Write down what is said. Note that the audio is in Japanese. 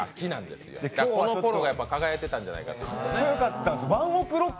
このころが輝いてたんじゃないかと。